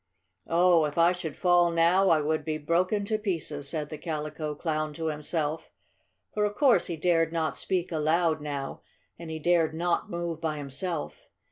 "Oh, if I should fall now I would be broken to pieces!" said the Calico Clown to himself, for of course he dared not speak aloud now, and he dared not move by himself.